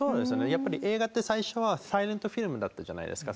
やっぱり映画って最初はサイレントフィルムだったじゃないですか。